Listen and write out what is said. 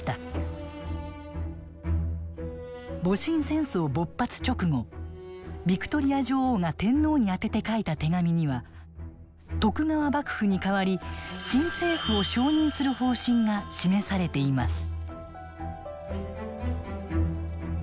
戊辰戦争勃発直後ヴィクトリア女王が天皇に宛てて書いた手紙には徳川幕府に代わり新政府を承認する方針が示されています。